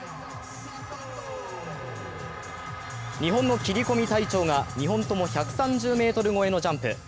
日本の切り込み隊長が２本とも１３０ｍ超えのジャンプ。